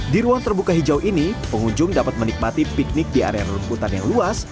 di ruang terbuka hijau ini pengunjung dapat menikmati piknik di area rumputan yang luas